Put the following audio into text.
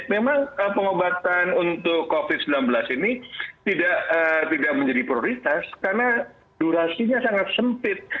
memang pengobatan untuk covid sembilan belas ini tidak menjadi prioritas karena durasinya sangat sempit